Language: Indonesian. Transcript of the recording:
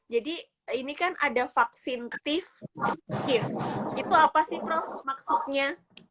jadi ini kan ada vaksin tif kif itu apa sih prof maksudnya